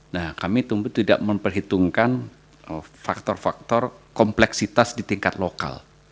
nah kami tumbuh tidak memperhitungkan faktor faktor kompleksitas di tingkat lokal